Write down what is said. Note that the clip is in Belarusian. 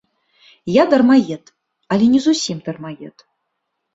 Я дармаед, але не зусім дармаед.